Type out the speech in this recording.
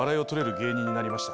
芸人になりました。